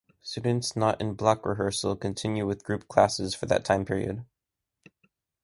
Students not in block rehearsal continue with group classes for that time period.